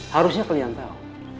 harusnya kalian tau